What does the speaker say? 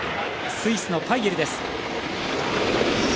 スイスのパイエルです。